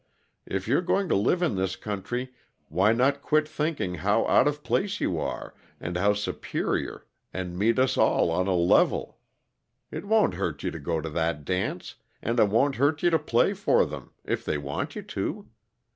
If you're going to live in this country, why not quit thinking how out of place you are, and how superior, and meet us all on a level? It won't hurt you to go to that dance, and it won't hurt you to play for them, if they want you to.